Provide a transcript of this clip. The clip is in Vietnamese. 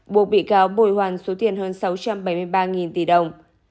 buộc bị cáo bồi hoàn số tiền hơn sáu trăm bảy mươi ba tỷ đồng